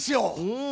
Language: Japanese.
うん。